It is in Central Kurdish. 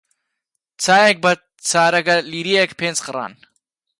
چایییەک بە چارەگە لیرەیەک پێنج قڕان